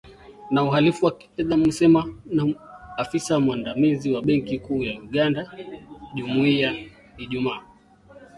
na uhalifu wa kifedha amesema afisa mwandamizi wa benki kuu ya Uganda Ijumaa